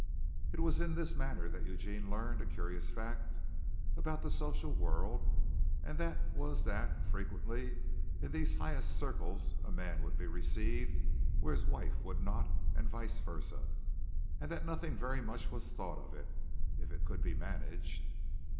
It was in this manner that Eugene learned a curious fact about the social world, and that was that frequently in these highest circles a man would be received where his wife would not and vice versa, and that nothing very much was thought of it, if it could be managed.